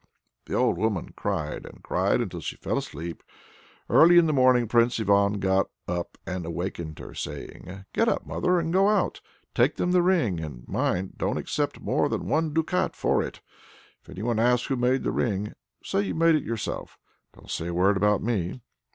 The old woman cried and cried until she fell asleep. Early in the morning Prince Ivan got up and awakened her, saying: "Get up, mother, and go out! take them the ring, and mind, don't accept more than one ducat for it. If anyone asks who made the ring, say you made it yourself; don't say a word about me."